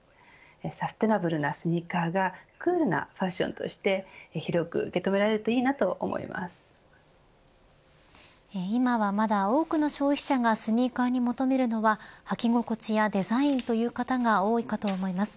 サステナブルなスニーカーがクールなファッションとして広く受け止められると今はまだ、多くの消費者がスニーカーに求めるのは履き心地やデザインという方が多いかと思います。